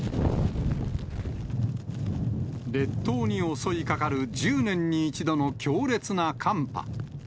列島に襲いかかる１０年に一度の強烈な寒波。